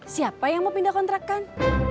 siapa yang mau pindah kontrakan